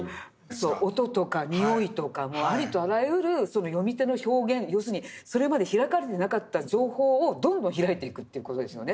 音とか匂いとかありとあらゆる読み手の表現要するにそれまで開かれてなかった情報をどんどん開いていくっていう事ですよね。